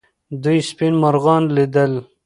دوی سپین مرغان لیدل.